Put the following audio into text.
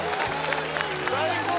・最高！